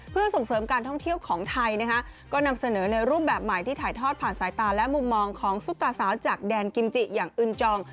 เพื่อส่งเสริมการท่องเที่ยวของไทยนะฮะก็นำเสนอในรูปแบบใหม่ที่ถ่ายทอดผ่านสายตาและมุมมองของซุปตาสาวจากแดนกิมจิอย่างอึนจอง